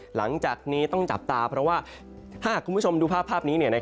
หลังจากนี้ต้องจับตาเพราะว่าถ้าคุณผู้ชมดูภาพนี้